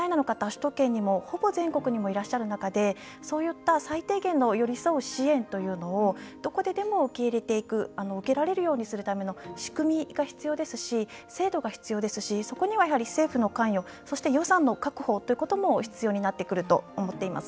首都圏にもほぼ全国にもいらっしゃる中でそういった最低限の寄り添う支援というのをどこででも受け入れていく受けられるようにするための仕組みが必要ですし制度が必要ですしそこにはやはり政府の関与そして予算の確保ということも必要になってくると思っています。